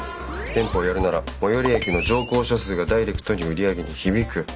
店舗をやるなら最寄り駅の乗降者数がダイレクトに売り上げに響く。